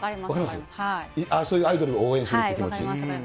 そういうアイドルを応援するっていう気持ち。